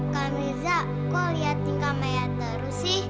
kak mirza kok liatin kamea terus sih